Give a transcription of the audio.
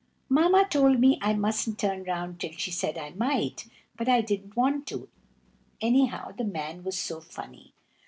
Mamma told me I mustn't turn round till she said I might, but I didn't want to, anyhow, the man was so funny.